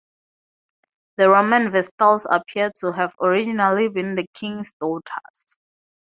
The Roman Vestals appear to have originally been the king's daughters.